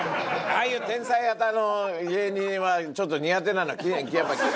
ああいう天才型の芸人はちょっと苦手なのやっぱ。